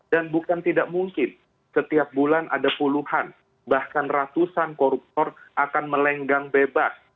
dan bukan tidak mungkin setiap bulan ada puluhan bahkan ratusan korupsor akan melenggang bebas